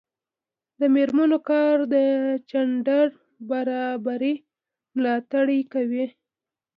د میرمنو کار د جنډر برابري ملاتړ کوي.